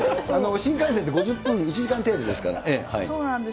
新幹線で５０分、１時間程度ですそうなんです。